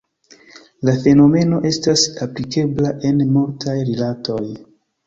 La fenomeno estas aplikebla en multaj rilatoj.